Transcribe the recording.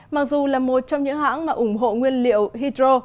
mặc dù là một trong những hãng mà ủng hộ nguyên liệu hydro